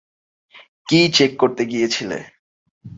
কী check করতে গিয়েছিলে?